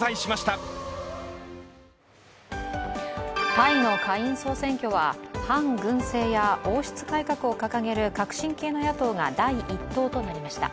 タイの下院総選挙は反軍政や王室改革を掲げる革新系の野党が第１党となりました